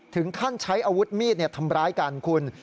ถึงขั้นใช้อาวุธมีดทำร้ายกันคุณ